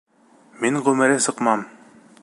Мин ғүмере сыҡмам.